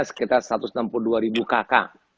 sekitar satu ratus enam puluh dua ribu kakak